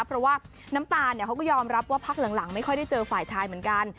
เพราะว่าน้ำตาลเขาก็ยอมรับว่าพักหลังไม่ค่อยได้เจอฝ่ายชายเหมือนกัน